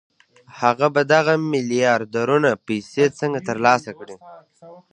هغه به دغه ميلياردونه پيسې څنګه ترلاسه کړي؟